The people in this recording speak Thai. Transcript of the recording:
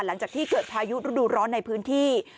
หลังจากที่เกิดพายุฤดูร้อนในพื้นที่